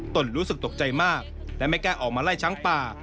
รู้สึกตกใจมากและไม่กล้าออกมาไล่ช้างป่า